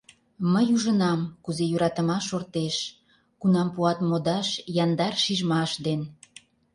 Мый ужынам, кузе йӧратымаш шортеш, Кунам пуат модаш яндар шижмаш ден.